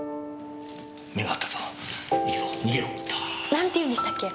なんて言うんでしたっけ？